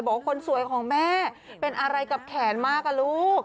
บอกว่าคนสวยของแม่เป็นอะไรกับแขนมากอ่ะลูก